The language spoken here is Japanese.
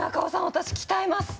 私鍛えます！